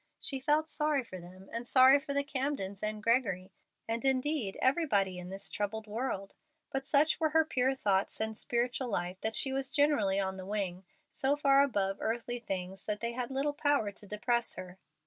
She felt sorry for them, and sorry for the Camdens and Gregory, and indeed everybody in this troubled world; but such were her pure thoughts and spiritual life that she was generally on the wing, so far above earthly things that they had little power to depress her.